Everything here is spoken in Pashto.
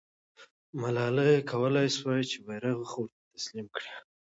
ملالۍ کولای سوای چې بیرغ ورته تسلیم کړي.